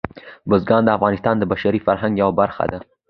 بزګان د افغانستان د بشري فرهنګ یوه برخه ده.